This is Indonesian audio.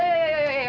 kalung itu ya